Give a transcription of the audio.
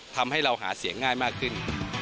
ทำให้เราหาเสียงง่ายมากขึ้น